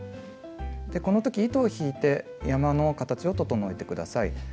この時糸を引いて山の形を整えて下さい。